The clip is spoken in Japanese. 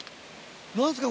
何ですか？